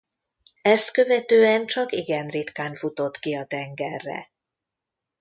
Ezt követően csak igen ritkán futott ki a tengerre.